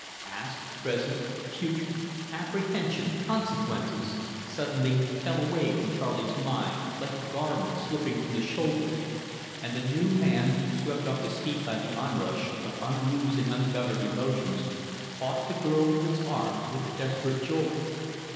Past, present, future, duty, apprehension, consequences, suddenly fell away from Charley's mind like a garment slipping from the shoulders, and the new man, swept off his feet by the onrush of unused and ungoverned emotions, caught the girl to his arms with a desperate joy.